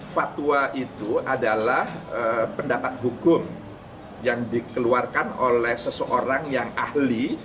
fatwa itu adalah pendapat hukum yang dikeluarkan oleh seseorang yang ahli